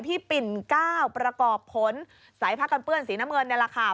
ปิ่นเก้าประกอบผลสายผ้ากันเปื้อนสีน้ำเงินนี่แหละค่ะ